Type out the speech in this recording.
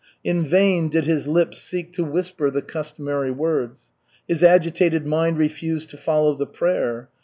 In vain did his lips seek to whisper the customary words. His agitated mind refused to follow the prayer.